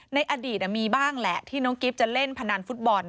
ในอดีตมีบ้างแหละที่น้องกิ๊บจะเล่นพนันฟุตบอล